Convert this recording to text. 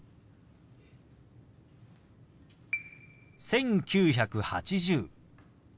「１９８０」。